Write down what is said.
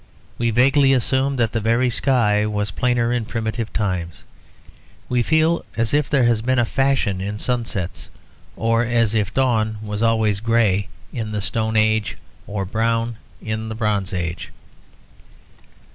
We vaguely assume that the very sky was plainer in primitive times. We feel as if there had been a fashion in sunsets; or as if dawn was always grey in the Stone Age or brown in the Bronze Age.